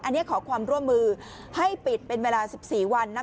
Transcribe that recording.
อันนี้ขอความร่วมมือให้ปิดเป็นเวลา๑๔วัน